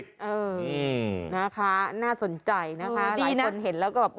เออนะคะน่าสนใจนะคะหลายคนเห็นแล้วก็แบบ